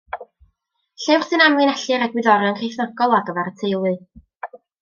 Llyfr sy'n amlinellu'r egwyddorion Cristnogol ar gyfer y teulu.